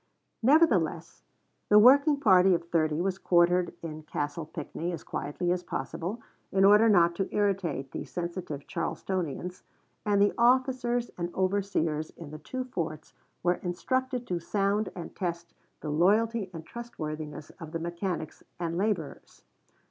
Nevertheless, the working party of thirty was quartered in Castle Pinckney as quietly as possible, in order not to irritate the sensitive Charlestonians, and the officers and overseers in the two forts were instructed to sound and test the loyalty and trustworthiness of the mechanics and laborers.